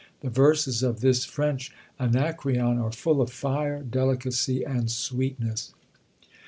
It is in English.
The verses of this French Anacreon are full of fire, delicacy, and sweetness.